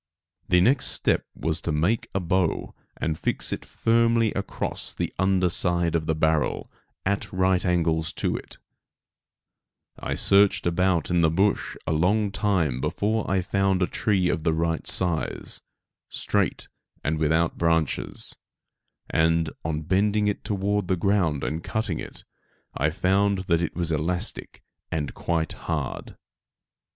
The next step was to make a bow and fix it firmly across the under side of the barrel, at right angles to it, I searched about in the bush a long time before I found a tree of the right size, straight and without branches; and, on bending it down toward the ground and cutting it, I found that it was elastic and quite hard.